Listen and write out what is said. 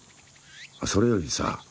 あっそれよりさ